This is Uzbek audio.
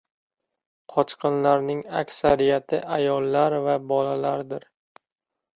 Qochqinlarning aksariyati ayollar va bolalardir